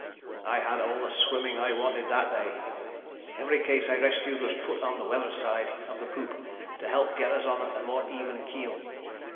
I had all the swimming I wanted that day. Every case I rescued was put on the weather side of the poop to help get us on a more even keel.